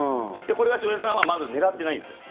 これは翔平さんは狙ってないんですよ。